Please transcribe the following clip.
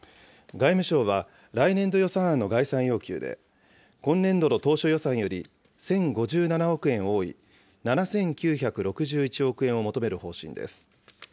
外務省は、来年度予算案の概算要求で、今年度の当初予算より１０５７億円多い７９６１億円を求める方針です。